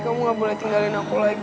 kamu gak boleh tinggalin aku lagi